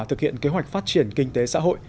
thực hiện kế hoạch phát triển kinh tế xã hội